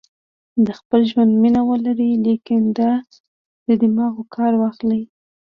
د خپل زړه مینه ولرئ لیکن له دماغو کار واخلئ.